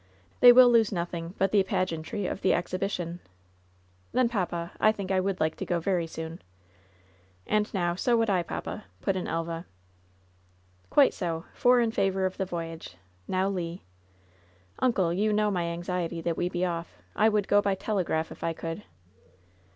They will lose nothing but the pageantry of the exhibition.*' ^^Then, papa, I think I would like to go very soon.'^ "And now, so would I, papa,'' put in Elva. "Quite so ! Four in favor of the voyage. Now, Le ?" "Uncle, you know my anxiety that we be off. I would go by telegraph, if I could."